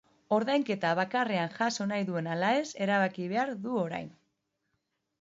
Ordainketa bakarrean jaso nahi duen ala ez erabaki behar du orain.